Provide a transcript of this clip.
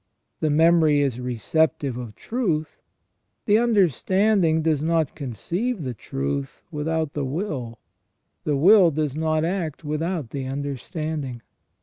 The memory is receptive of truth, the understanding does not conceive the truth without the will, the will does not act without the understanding.